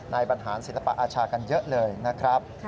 บรรหารศิลปะอาชากันเยอะเลยนะครับ